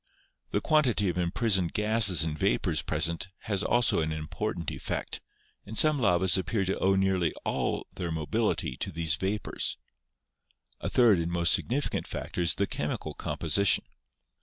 The quantity of imprisoned gases and vapors present has also an important effect, and some lavas appear to owe nearly all their mobility to these vapors. A third and most significant factor is the chemical composition.